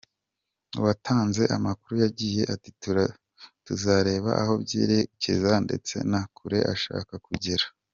Uwatanze amakuru yagize ati “Tuzareba aho byerekeza ndetse na kure ashaka kugera.